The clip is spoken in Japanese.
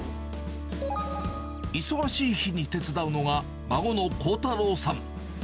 忙しい日に手伝うのが、孫のこうたろうさん。